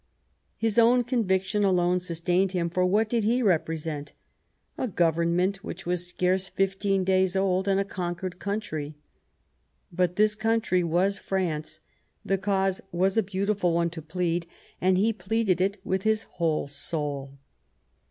His own conviction alone sustained him ; for what did he represent ? A Government which was scarce fifteen days old, and a conquered country. But this country was France, the cause was a beautiful one to plead, and he pleaded it with his whole soul.